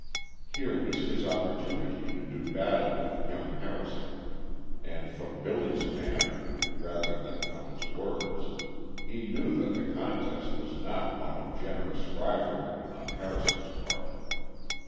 Here was his opportunity to do battle with young Harrison; and from Billy's manner, rather than from his words, he knew that the contest was not one of generous rivalry on Harrison's part.